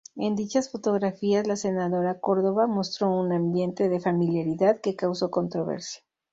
En dichas fotografías la senadora Córdoba mostró un ambiente de familiaridad que causó controversia.